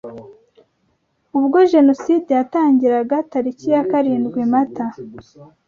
ubwo Jenoside yatangiraga tariki ya karindwi Mata